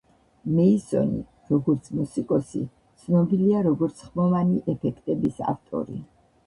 მეისონი, როგორც მუსიკოსი, ცნობილია, როგორც ხმოვანი ეფექტების ავტორი.